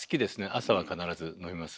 朝は必ず飲みます。